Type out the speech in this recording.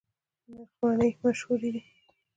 نرخ مڼې مشهورې دي؟